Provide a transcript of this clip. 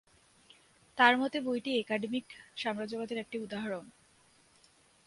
তার মতে বইটি একাডেমিক সাম্রাজ্যবাদের একটা উদাহরণ।